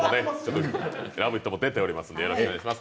「ラヴィット！」も出ておりますんでよろしくお願いします。